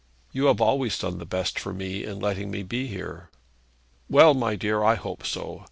'You have always done the best for me in letting me be here.' 'Well, my dear, I hope so.